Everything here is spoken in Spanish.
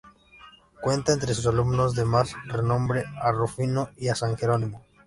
Cuenta entre sus alumnos de más renombre a Rufino y a san Jerónimo.